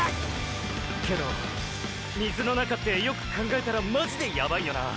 けど水の中ってよく考えたらマジでヤバイよな。